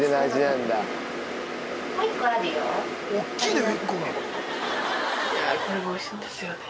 いやこれがおいしいんですよね。